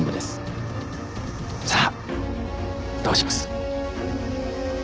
さあどうします？